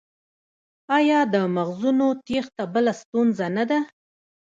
آیا د مغزونو تیښته بله ستونزه نه ده؟